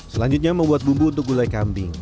selanjutnya membuat bumbu untuk gulai kambing